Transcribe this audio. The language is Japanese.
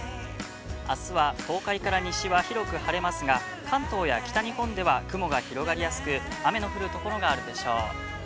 あすは東海から西は広く晴れますが、関東や北日本では雲が広がりやすく、雨の降るところがあるでしょう。